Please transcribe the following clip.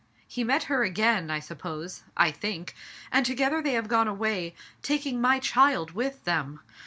He met her again, I suppose — I think, and together they have gone away, taking my child with them.